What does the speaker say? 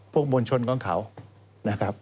พวกบนชนของเขา